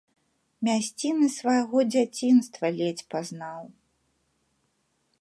Мясціны свайго дзяцінства ледзь пазнаў.